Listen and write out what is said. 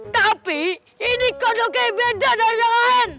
tapi ini kodoknya beda dari yang lain